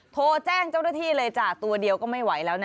โทรแจ้งเจ้าหน้าที่เลยจ้ะตัวเดียวก็ไม่ไหวแล้วนะ